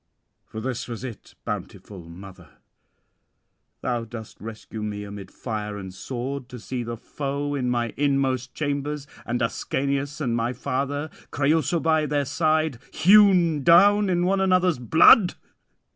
For this was it, bountiful mother, thou dost rescue me amid fire and sword, to see the foe in my inmost chambers, and Ascanius and my father, Creüsa by their side, hewn down in one another's blood?